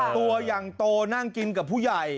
ตัวอย่างโตนั่งกินกับผู้ใหญ่